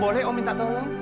boleh om minta tolong